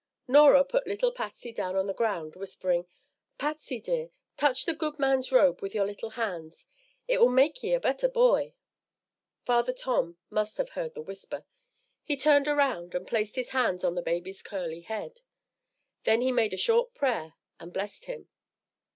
Norah put little Patsy down on the ground, whispering, "Patsy, dear, touch the good man's robe with your little hands. It will make ye a better boy." Father Tom must have heard the whisper. He turned around and placed his hands on the baby's curly head. Then he made a short prayer and blessed him.